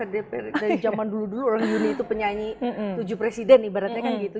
dari zaman dulu dulu orang yuni itu penyanyi tujuh presiden ibaratnya kan gitu